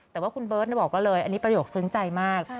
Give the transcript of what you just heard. แต่ว่าคุณเบิร์ตบอกก็เลยอันนี้ประโยคซึ้งใจมาก